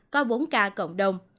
có bốn ca cộng đồng